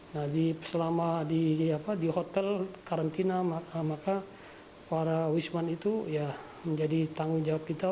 nah selama di hotel karantina maka para wisman itu ya menjadi tanggung jawab kita